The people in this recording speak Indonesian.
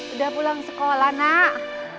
udah pulang sekolah nak